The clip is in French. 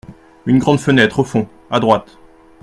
Une grande fenêtre au fond, à droite.